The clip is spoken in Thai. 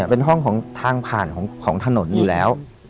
เป็นห้องของทางผ่านของถนนอยู่แล้ว